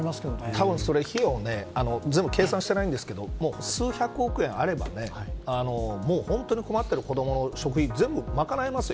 たぶんそれ、費用を全部計算してないんですけど数百億円あればほんとに困っている子どもの食費全部まかなえますよ。